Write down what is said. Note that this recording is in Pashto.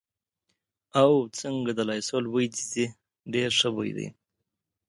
او، څنګه د لایسول بوی دې ځي، ډېر ښه بوی دی.